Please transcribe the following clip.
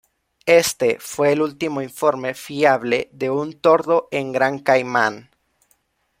Este fue el último informe fiable de un tordo en Gran Caimán.